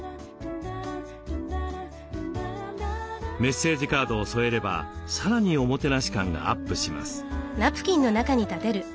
メッセージカードを添えればさらにおもてなし感がアップします。